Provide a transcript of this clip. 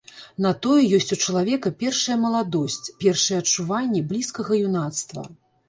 На тое ёсць у чалавека першая маладосць, першыя адчуванні блізкага юнацтва.